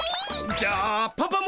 じゃあパパも！